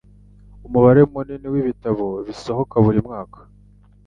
Umubare munini wibitabo bisohoka buri mwaka.